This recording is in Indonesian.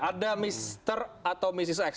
ada mr atau mrs x